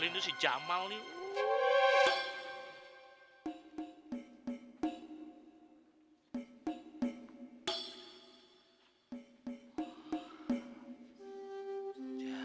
dia nih nyebelin tuh si jamal nih